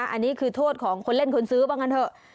อันนี้คือโทษของคนเล่นคนซื้อบ้างกันเถอะ